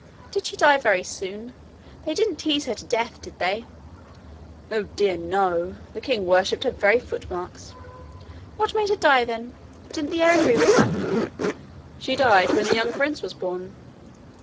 'Did she die very soon? They didn't tease her to death, did they?' 'Oh, dear, no! The king worshipped her very footmarks.' 'What made her die, then? Didn't the air agree with her?' 'She died when the young prince was born.'